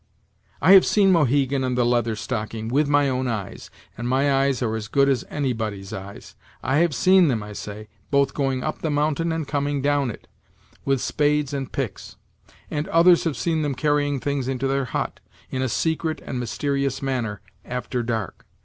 "I have seen Mohegan and the Leather Stocking, with my own eyes and my eyes are as good as anybody's eyes I have seen them, I say, both going up the mountain and coming down it, with spades and picks; and others have seen them carrying things into their hut, in a secret and mysterious manner, after dark.